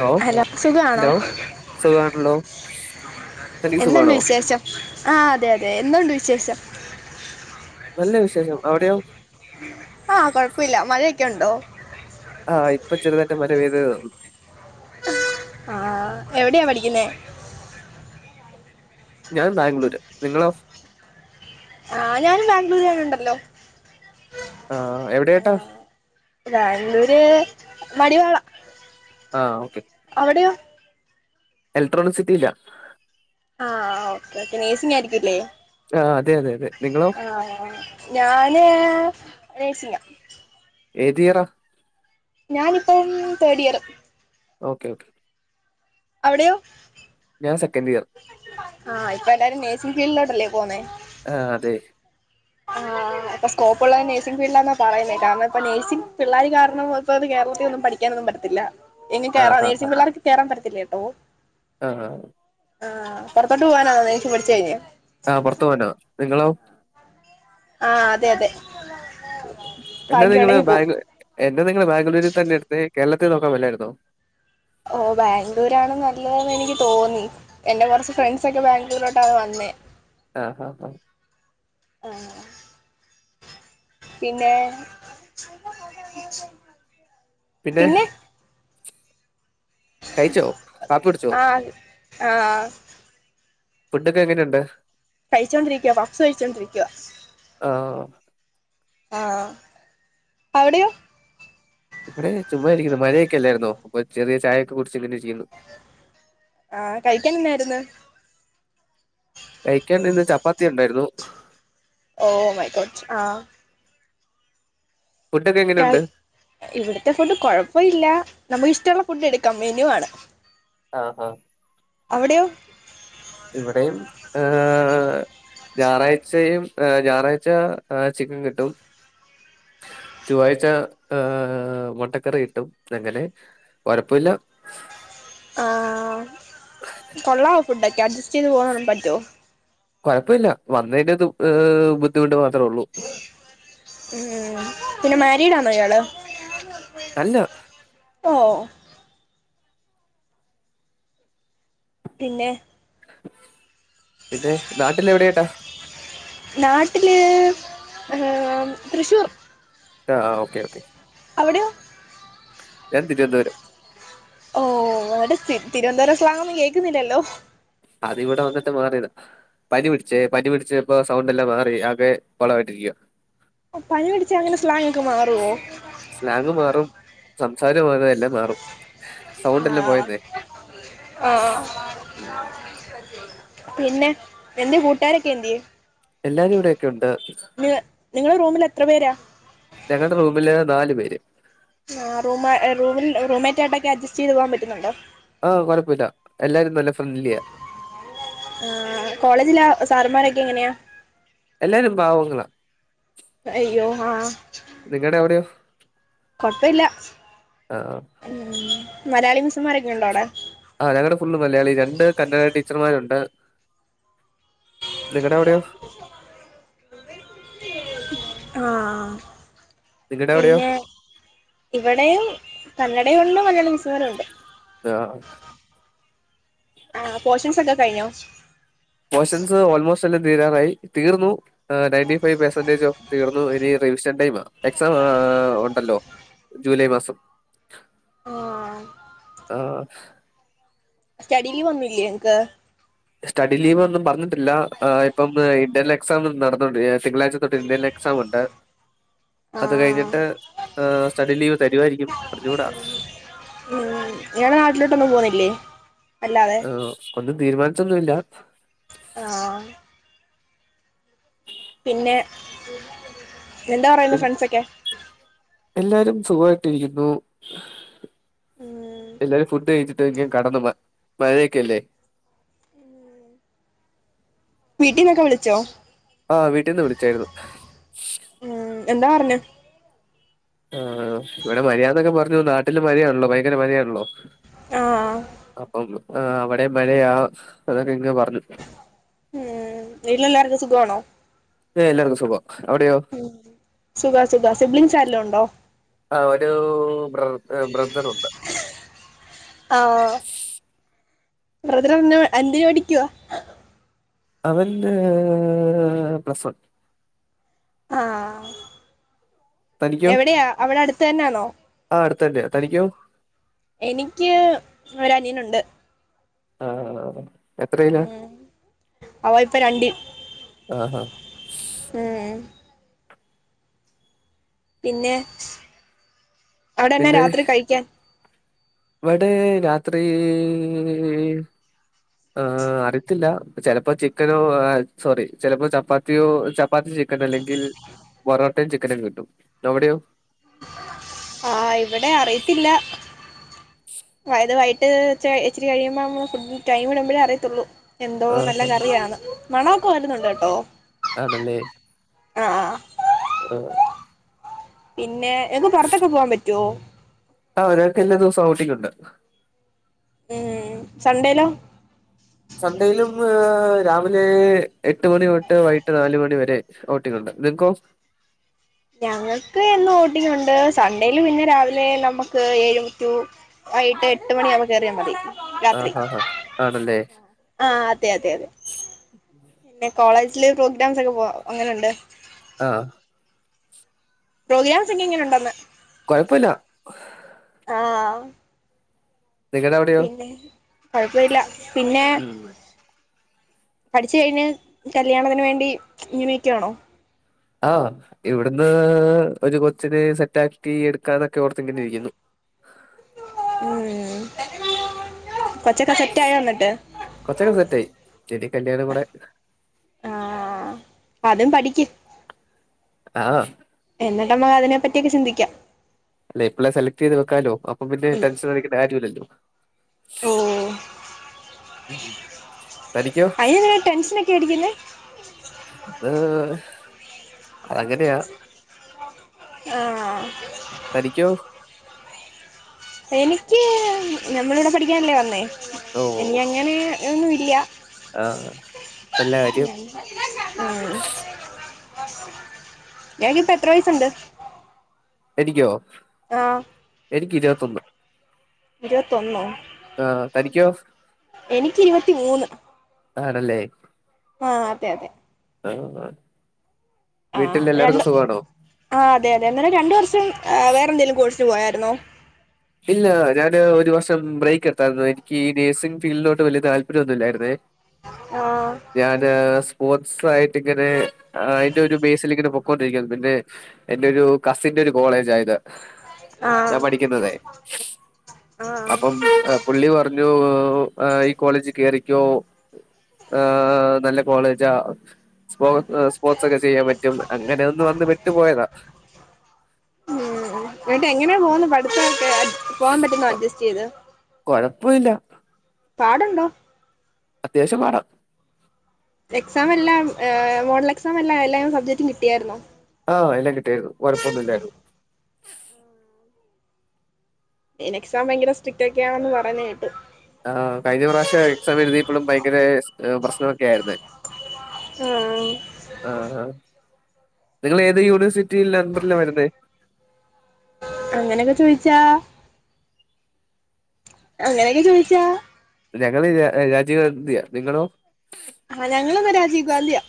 Hello എല്ലാവർക്കും സുഖാണോ hello സുഖാണല്ലോ തനിക്ക് എന്തൊ ണ്ട് സുഖാണോ വിശേഷം ആ അതെ അതെ എന്തോണ്ട്‌ വിശേഷം നല്ല വിശേഷം അവിടെയോ ക്കെയൊണ്ടോ ആ ഇപ്പം ചെറുതായിട്ട് മഴ പെയ്തതെ ഉള്ളൂ ആ എവിടെയാ പഠിക്കുന്നെ ഞാൻ ബാംഗ്ലൂര് നിങ്ങളോ ആ ഞാനും ബാംഗ്ലൂര് തന്നെ ഒ ണ്ടല്ലോ ആ ആ എവിടെയായിട്ടാ ബാംഗ്ലൂര് മടിവാളാ ആ ഓക്കേ എലക്ട്രോണി സിറ്റിയിലാ ആ ഓക്കെ ഇപ്പോ നഴ്സിംഗ് ആയിരിക്കുമെല്ലേ ആ അതെ അതെ അതെ നിങ്ങളോ ആ ആ ആ ഞാന് നേഴ്സിങ്ങാ ഏത് ഇയറാ ഞാനിപ്പം തേർഡ് ഇയറ് ഓക്കെ ഓക്കെ അവിടെയോ ഞാൻ സെക്കൻഡ് ഇയർ ആ ഇപ്പൊ എല്ലാരും നഴ്സിങ്ങിന് ഫീൽഡിലോട്ടല്ലേ പോന്നേ ആ അതെ ആ ആ ഇപ്പോൾ സ്കോപ്പ് ഉള്ളത് നഴ്സിംഗ് ഫീൽഡിലാന്നാ പറയുന്നെ കാരണം നഴ്സിംഗ് പിള്ളാര് കാരണം ഇപ്പോ ഒന്നും കേരളത്തില് ഒന്നും പഠിക്കാൻ ഒന്നും പറ്റത്തില്ല ഇനി ആ കേറാൻ ഹാ ഹാ നേഴ്സിംഗ് പിള്ളേർക്ക് കേറാൻ പറ്റത്തില്ലേ ഓ ആ ആ ആ ആ പൊറത്തോട്ട് പോകാനാണോ നേഴ്സിങ് പഠിച്ചുകഴിഞ്ഞ് ആ പൊറത്തു പോവാന നിങ്ങളോ ആ അതെ അതെ എന്നെ ഭാഗ്യം നിങ്ങള് ഉണ്ടെങ്കി പോവും ബാംഗിൾ എന്നെ നിങ്ങൾ ബാംഗ്ളൂർ തന്നെ ഇടണേ കേരളത്തിൽ നോക്കാൻ പറ്റില്ലായിരുന്നോ ഓ ബാഗ്ലൂരാണ് നല്ലതെന്നു എനിക്ക് തോന്നി എന്റെ കുറച്ചു ഫ്രണ്ട്‌സ് ഒക്കെ ബാംഗ്ലൂരിലോട്ട വന്നെ ആ ആ പിന്നെ പിന്നെ കഴിച്ചോ കാപ്പി കുടിച്ചോ ആ ഫുഡോക്കെ എങ്ങനെ ഉണ്ട് കഴിച്ചോണ്ടിരിക്കാ പപ്സ് കഴിച്ചോണ്ടിരിക്കാ ആ ആ അവിടെയോ ഇവിടെ ചുമ്മരിക്കുന്നു മഴയൊക്കെല്ലായിരുന്നോ ചെറിയ ചായയൊക്കെ കുടിച്ച് ഇങ്ങനിരിക്കുന്നു ആ കഴിക്കാനെന്തായിരുന്നു കഴിക്കാൻ ഇന്ന് ചപ്പാത്തി ഉണ്ടായിരുന്നു ഓ മൈ ഗോഡ് ആ ഫുഡൊക്കെ എങ്ങനെയുണ്ട് ആയ് ഇവിടത്തെ ഫുഡ്‌ കൊഴപ്പല്ല നമുക്കിഷ് ഇഷ്ട്ട ള്ള ഫുഡ്‌ എടുക്കാം മെനു ആണ് ആഹ് ആഹ് അവിടെയോ ഇവിടെയും ഏ ഞാറാഴ്ചയും എ ഞാറാഴ്ച ചിക്കൻ കിട്ടും ചൊവ്വാഴ്ച ഏ മൊട്ടക്കറി കിട്ടും അങ്ങനെ കൊഴപ്പല്ല ആ കൊള്ളാവോ ഫുഡൊക്കെ അഡ്ജസ്റ്റ് ചെയ്ത് പോകാൻ പറ്റോ കൊഴപ്പല്ല വന്നതിന്റെ ദു ഏ ബുധിമുട്ട് മാത്രേള്ളൂ ഉം പിന്നെ മാരീഡ് ആണോ ഇയ്യാള് അല്ല ഓ പിന്നെ പിന്നെ നാട്ടിലെവിടെയായിട്ടാ നാട്ടില് ഏ തൃശൂർ ആ ഓക്കെ അവിടെ യോ ഞാൻ തിരുവനന്തപുരം ഓ അവിടെ തിരുവനന്തപുരം സ്ലാങ് ഒന്നും കേൾക്കുന്നില്ലല്ലോ അതിവിടെ വന്നിട്ട് മാറിയതാ പനി പിടിച്ചേ പനി പിടിച്ചപ്പോ സൗണ്ട് എല്ലാം മാറി ആകെ കൊളമായിരിക്കുവാ പനി പിടിച്ചാൽ അങ്ങനെ സ്ല മാറുവോ സംസാരവും അത് തന്നെ മാറും സൗണ്ട് എല്ലാം ആഹ് പോയെന്നെ ആഹ് പിന്നെ നിന്റെ കൂട്ടുകാരൊക്കെ എന്ത്യേ എല്ലാരും ഇവിടെയെക്ക ഉണ്ട് നിങ്ങ നിങ്ങൾ റൂമിൽ എത്ര പേരാ ഞങ്ങളുടെ റൂമില് നാലു പേര് ആ റൂമ് റൂമിൽ റൂംമേറ്റ് ആയിട്ടൊക്കെ അഡ്ജസ്റ്റ് ചെയ്ത് പോകാൻ പറ്റുന്നുണ്ടോ ആ കൊഴപ്പിമില്ല എല്ലാരും നല്ല ഫ്രണ്ട്ലിയാ ആ കോളേജിലെ സാറമാരൊക്കെ എങ്ങനെയാ എല്ലാരും പാവങ്ങള യ്യോ ആ അവിടെയോ കുഴപ്പമില്ല ആഹ് മ്മ് മലയാളി മിസ്സുമാരെക്കെ ഉണ്ടോ അവിടെ ആ ഞങ്ങളുടെ ഫുള് മലയാളി രണ്ട് കന്നഡ ടീച്ചർമാരുണ്ട് നിങ്ങട അവിടെയോ ആ നിങ്ങടെ അവിടെയോ പിന്നെ ഇവിടെയും കന്നടയെ ഉള്ളു ല്ല മിസ്സുമാര് ഉണ്ട് ആഹ് ആ പോഷൻസ് ഒക്കെ കഴിഞ്ഞോ അ [inaudible] പോഷൻസ് ഓൽമോസ്റ്റ് എല്ലാം തീരാറായി തീർന്നു ആ ണയൻ്റിഫൈവ് പെർസൻറ്റേജ് തീർന്നു ഇനി റിവിഷൻ ടൈമാ എക്സാം ഉണ്ടല്ലോ ജൂലൈ മാസം ആ ആ് സ്റ്റഡി ലീവ് ഒന്നൂല്ലേ നിങ്ങക്ക് സ്റ്റഡി ലീവ് ഒന്നും പറഞ്ഞിട്ടില്ല ഇപ്പം ഇന്റേൽ എക്സാം നടന്നോണ്ട് തിങ്കളാഴ്ച തൊട്ട് ഇൻറ്റേണൽ എക്സാം ഉണ്ട് ആ അത് കഴിഞ്ഞിട്ട് ഹ് സ്റ്റഡി ലീവ് തരുമായിരിക്കും അറിഞ്ഞുകൂടാ ഉം ഇയാളെ നാട്ടിലോട്ടൊന്നും പോന്നില്ലേ അല്ലാതെ ആഹ് ഒന്നും തീരുമാനിച്ചൊന്നുല്ല ആ പിന്നെ എന്താ പി പറയുന്നു ഫ്രണ്ട്സൊക്കെ എല്ലാരും സുഖമായിട്ടിരിക്കുന്നു ഉം എല്ലാരും ഫുഡ് കഴിച്ചി ഫുഡ് കഴിക്കാൻ കടന്ന്മ മഴയെക്കെല്ലേ വീട്ടീന്നൊക്കെ വിളിച്ചോ ആഹ് വീട്ടിന്ന് വിളിച്ചായിരുന്നു ഉം എന്താ പറഞ്ഞു ആ ഇവിടെ മഴയാന്നൊക്കെ പറഞ്ഞു നാട്ടില് മഴയാണല്ലോ ഭയങ്കര മഴയാണല്ലോ അ ആ ആ അവിടെ മഴയാഅതൊക്കെ ഇങ്ങ് പറഞ്ഞു ഉം വീട്ടിലെല്ലാർക്കും സുഖവാണോ ഏ എല്ലർക്കും സുഗം ഉം സുഖ സുഖ സിബ്ലിങ്ങ്സ് ആരേലും ഉണ്ടോ ആ ഒരു ബ്രർ ബ്രദറുണ്ട് ബ്രദറെന്നു എന്തിനുപടിക്കുവ അവന്റ് പ്ലസ് വൺ ആഹ് തനിക്കോ എവിടെയാ അവിടെ അടുത്ത് തന്നാണോ ആ അടുത്ത് തന്നെയാ തനിക്കോ എനിക്ക് ഒരനിയനുണ്ട് ണ്ട് ആ എത്രയിലാ ഉം അവ ഇപ്പൊ രണ്ടിൽ ആഹാ ഉം പിന്നെ അവിടെന്നാ പിന്നെ രാത്രി കഴിക്കാൻ ഇവിടെ രാത്രി ആ അറിയത്തില്ല ചെലപ്പോ ചിക്കനോ സോറി ചിലപ്പോ ചപ്പാത്തിയോ ച പ്പാത്തി ചിക്കൻ അല്ലെങ്കിൽ ബറോട്ടേം ചി ക്കനും കിട്ടും ടവിടെയോ ആ ഇവിടെ അറിയത്തില്ല വയത് വായി ട്ട്ച്ചെ ഇച്ചിരി കഴിയുമ്പം ഫുഡ് ടൈംമ് ടുമ്പഴേ അറിയത്തുള്ളൂ എന്തോ നല്ല ആഹാ കറിയാണ് മണോക്ക വരുന്നുണ്ട്ഏട്ടോ ആദല്ലേ അ ആഹ് റൊ പിന്നെ എന്നും പൊറത്തൊക്കെ പോവാൻ പറ്റോ ആ ഒരാൾക്ക് എല്ലാ ദിവസവും ഔട്ടിങ്ങുണ്ട് ഉം സൺഡേലോ സൺ‌ഡേയിലും ഏ രാവിലെ എട്ട് മണി തൊട്ട് വൈകിട്ട് നാല് മണി വരെ ഔട്ടിങ്ങുണ്ട് നിങ്ങക്കോ ഞങ്ങൾക്ക് എന്നും ഔട്ടിങ്ങുണ്ട് സൺണ്ടേല് പിന്നെ രാവിലെ നമ്മുക്ക് ഏഴ് ടു ആ എട്ട് എട്ട് മണിയാകുമ്പോ കേറിയാ മതി രാത്രി ആഹാ ഹാ. ആണല്ലേ ആ അതെ അതെതെ പിന്നെ കോളേജ് [unintelligible] പ്രോഗ്രാംസ് അങ്ങ് പോ അങ്ങനുണ്ട് ആ പ്രോഗ്രാംസൊക്കെ എങ്ങനെ ഉണ്ടെന്ന് കുഴപ്പവില്ല ആ നിങ്ങടെ അവിടെയോ? കുഴപ്പവില്ല പിന്നെ ഉം പഠിച്ചു കഴിഞ്ഞ് കല്യാണത്തിന് വേണ്ടി ഇങ്ങനെ നിക്കുവാണോ? ആ ഇവിടുന്ന് ഒരു കൊച്ചിനെ സെറ്റാക്കി എടുക്കാനൊ ക്കെ ഓർത്ത് ഇങ്ങനിരിക്കുന്നു ഉം കൊച്ചൊക്കെ സെറ്റ് ആയോ എന്നിട്ട് കൊച്ചൊക്കെ സെറ്റായി ഇനി കല്യാണം കൂടെ അദ്യം പഠിക്ക് ആ എന്നിട്ട് നമ്മക്ക് അതിനെപ്പറ്റിയൊക്കെ ചിന്തിക്കാം അല്ല ഇപ്പളേ സെലക്ട് ചെയ്ത് വെക്കാലോ അപ്പം പിന്നെ ടെൻഷനടിക്കണ്ട കാര്യമില്ലല്ലോ ഓ തനിക്കോ? അയിനെന്തിനാ ടെൻഷനൊക്കെ അടിക്കുന്നേ അത് അങ്ങനെയാ ആ തനിക്കോ? എനിക്ക് നമ്മളിവിടെ പഠിക്കാനല്ലേ വന്നേ ഓഹ് എനിക്ക് അങ്ങനെ അങ്ങനൊന്നുമില്യാ ആഹ് നല്ല കാര്യം ഉം ഉം ഞാനിപ്പോ എത്ര വയസുണ്ട്? എനിക്കോ? ആഹ് എനിക്ക് ഇരിപത്തൊന്ന്‌ ഇരുപത്തൊന്നോ? എനിക്ക് ഇരുപത്തി മൂന്ന് ആണല്ലേ? ആ അതെ അതെ ആ ആ ആ രണ്ട് ആ അതെ അതെ അന്നേരം രണ്ട് വർഷം വേറെന്തേലും കോഴ്സ് എടുത്ത് പോയാരുന്നോ? ഇല്ല ഞാന് ഒരു വർഷം ബ്രേക്ക് എടുത്തായിരുന്നു എനിക്ക് ഈ നേഴ്സിംഗ് ഫീൽഡിലോട്ട് വല്ല്യ താല്പര്യം ഒന്നുമില്ലായിരുന്നേ ആഹ് ഞാന് സ് സ്പോർട്സ് ആയിട്ട് ഇങ്ങനെ അയ്ന്റെ ഒരു ബേസിൽ ഇങ്ങനെ പൊക്കൊണ്ടിരിക്കുവായിരുന്നു പിന്നെ എന്റെ ഒരു കസിന്റെ ഒരു കോളേജ് ആ ഇത് ഞാൻ ആഹ് പഠിക്കുന്നതേ ആഹ് അപ്പം പുള്ളി പറഞ്ഞു ഈ കോളേജ് കേറി ക്കോ നല്ല ഏ കോളേജാ സ്പോ സ്പോർട്സ് ഒക്കെ ചെയ്യാൻ പറ്റും അങ്ങനെയന്നുംപറഞ്ഞു വിട്ടുപോയതാ ഉംവീണ്ടും എങ്ങനെ പോകുന്നു പഠിത്തമൊക്കെ പോവാാൻ പറ്റുന്നോ അഡ്ജസ്റ്റ് ചെയ്ത് പ്പോല പാടുണ്ടോ അത്യാവശ്യം പാട എക്സാം എല്ലാം മോഡൽ എക്സാം എല്ലാം എല്ലാം സബ്ജക്ടും കിട്ടിയായിരുന്നോ ആഹ എല്ലാം കിട്ടിയരുന്നു കൊഴപ്പൊന്നും ഇല്ലായിരുന്നു ഇനിഎക്സാം ഭയങ്കര സ്ട്രിക്റ്റ് ഒക്കെയാണന്ന് പറഞ്ഞഞ് കേട്ട് ആ കഴിഞ്ഞ പ്രാവശ്യം എക്സാം എഴുതിയപ്പോഴും ഭയങ്കര പ്രശ്നമൊക്കെ ആയിുന്ന ആഹ് ആഹ ആഹ നിങ്ങൾ ഏത് യൂണിവേഴ്സിറ്റി അങ്ങനെ ചോദിച്ച അങ്ങനെ ക്കെ ചോദിച്ച ഞങ്ങള് രാജീവേട്ടന്റയാ നിങ്ങളോ ആ ഞങ്ങളും ത രാജീവ് ഗാന്ധി യാ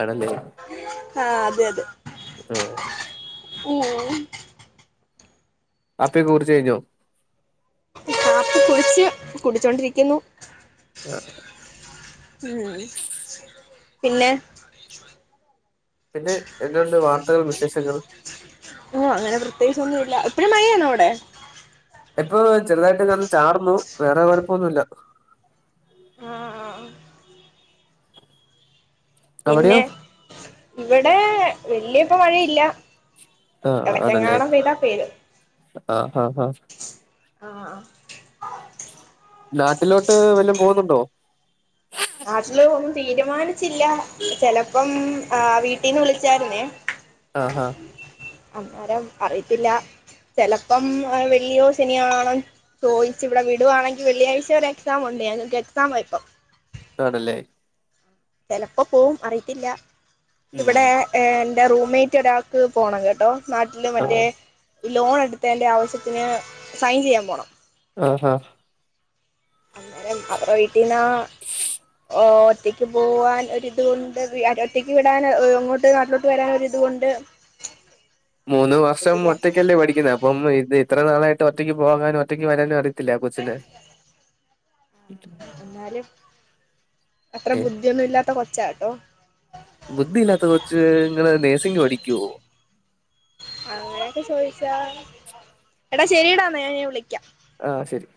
ആണല്ലേ ആ അതെ അതെ ആ ഉം ഉം കാപ്പിയൊക്കെ കുടിച്ചു കഴിഞ്ഞോ കാപ്പി കുടിച്ച് കുടിച്ചു കൊണ്ടിരിക്കുന്നു ആഹ് ഉം പിന്നെ പിന്നെ എന്തുണ്ട് വാർത്തകൾ വിശേഷങ്ങൾ ആ അങ്ങനെ പ്രത്യേകിച്ച് ഒന്നുമില്ല ല്ല ഇപ്പോഴും മഴയാണോ അവിടെ ഇപ്പോ ചെറുതായിട്ടൊന്നു ചാറുന്നു വേറെ കുഴപ്പമൊന്നുമില്ല ആ ആ പിന്നെ അവിടെയോ ഇവിടെ വല്യപ്പ മഴയില്ല ഇടയ്ക്ക് എങ്ങാനും പെയ്ത പെയ്തു ആഹാഹാ ആ ആ നാട്ടിലോട്ട് വല്ല പോകുന്നുണ്ടോ നാട്ടിലെ ഒന്നും തീരുമാനിച്ചില്ല ചിലപ്പം ആവീട്ടീന്ന് വിളിച്ചായിരുന്നു ആ ഹാ അന്നേരം അറിയത്തില്ല ചെലപ്പോ വെള്ളിയോ ശനിയോ ആണ് ചോദിച്ച് ഇവിടെ വിടുകയാണെങ്കിൽ വെള്ളിയാഴ്ച വരെ എക്സാം ഉണ്ട് ഞങ്ങക്ക്എക്സാമ ഇപ്പം ആണല്ലേ ചിലപ്പോ പോകും അറിയത്തില്ല ഉം ഇവടെ ഏ എൻ ന്റെ റൂംമേറ്റ് ഒരാൾക്ക് പോണം കേട്ടോ സ്മാട്ടില് മറ്റേ ആഹ് ലോൺ എട്ത്തേന്റെ ആവശ്യത്തിന് സൈൻ ചെയ്യാൻ പോണം ആ ആ അവരെ വീട്ടിന്നാ ഓ ഒറ്റക്ക് പോവാൻ ഒരിതുണ്ട്. വി ഒറ്റയ്ക്ക് വിടാൻ ഇങ്ങോട്ട് നാട്ടിലോട്ട് വരാൻ ഒരിതും ണ്ട്. മൂന്ന് വർഷം ഒറ്റയ്ക്കല്ലേ പഠിക്കുന്നേ അപ്പം ഇത് ഇത്ര നാളായി ഒറ്റയ്ക്ക് പോകാനും ഒറ്റയ്ക്ക് വരാനും അറി യത്തില്ലേ ആ കൊച്ചിന്? എന്നാലും [inaudible] അത്ര ഏഹ് ബുദ്ധ്യന്നും ഇല്ലാത്ത കൊ ച്ചാട്ടോ. ബുദ്ധിയില്ലാത്ത കൊച്ച് നിങ്ങള് നേഴ്സിംഗ് പഠിക്കുവോ അങ്ങനെയൊക്കെ ചോയ്ച്ചാ എടാ ശരിടാന്നാ ഞാൻ ഇനി വിളിക്കാം. ആ ശരി.